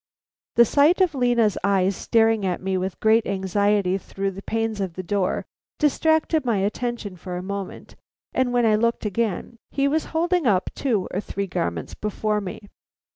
The sight of Lena's eyes staring at me with great anxiety through the panes of the door distracted my attention for a moment, and when I looked again, he was holding up two or three garments before me.